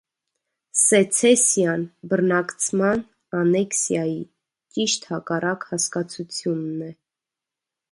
Սեցեսիան բռնակցման (անեքսիայի) ճիշտ հակառակ հասկացությունն է։